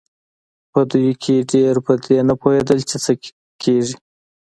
په دوی کې ډېر پر دې نه پوهېدل چې څه کېږي.